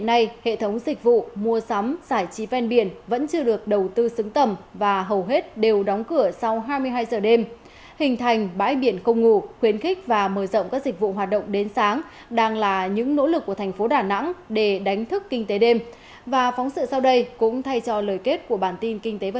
tuy nhiên việc hình thành bãi biển không ngủ phố đêm không ngủ để đánh thức du lịch đêm